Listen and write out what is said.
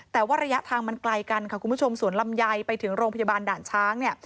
แต่ว่าระยะทางมันไกลกันค่ะคุณผู้ชมสวนลำไยไปถึงโรงพยาบาลด่านช้างเนี่ย